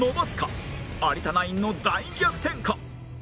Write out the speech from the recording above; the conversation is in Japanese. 有田ナインの大逆転か？